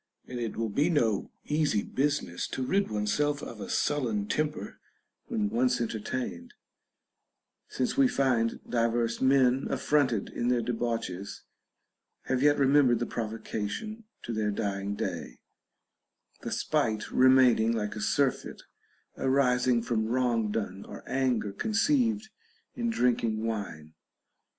THE BANQUET OF THE SEVEN WISE MEN. 7 And it will be no easy business to rid one's self of a sullen temper when once entertained ; since we find divers men, affronted in their debauches, have yet remembered the provocation to their dying day, the spite remaining like a surfeit arising from wrong done or anger conceived in drinking wine.